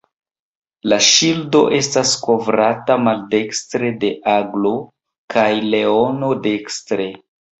La ŝildo estas kovrata maldekstre de aglo kaj leono dekstre.